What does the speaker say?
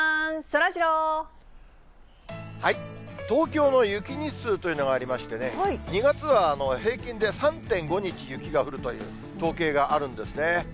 東京の雪日数というのがありまして、２月は平均で３．５日雪が降るという統計があるんですね。